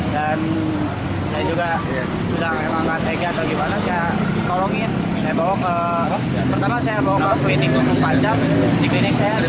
dan saya juga sudah memangat ega atau dibalas